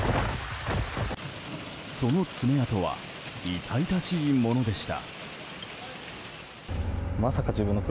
その爪痕は痛々しいものでした。